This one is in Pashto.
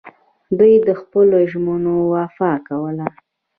دوی د خپلو ژمنو وفا کوله